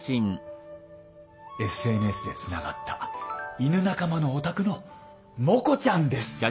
ＳＮＳでつながった犬仲間のお宅のモコちゃんです。